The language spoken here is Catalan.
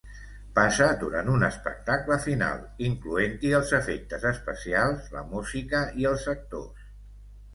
Passa durant un espectacle final, incloent-hi els efectes especials, la música i els actors.